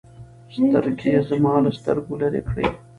سترګې يې زما له سترګو لرې كړې.